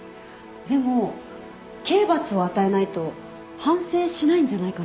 でも刑罰を与えないと反省しないんじゃないかな？